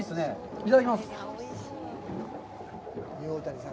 いただきます。